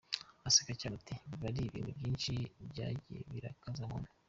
Aseka cyane ati “Biba ari ibintu byinshi byagiye birakaza umuntu.